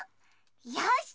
よし！